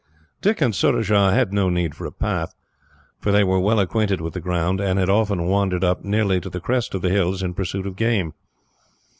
Dick and Surajah had no need of a path, for they were well acquainted with the ground, and had often wandered up, nearly to the crest of the hills, in pursuit of game.